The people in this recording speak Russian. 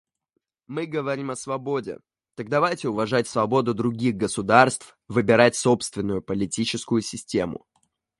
Мы говорим о свободе; так давайте уважать свободу других государств выбирать собственную политическую систему.